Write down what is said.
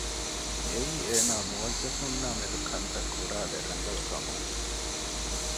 އެއީ އޭނާ މުއައްޒަފުންނާ މެދު ކަންތައް ކުރާލެއް ރަނގަޅު ކަމުން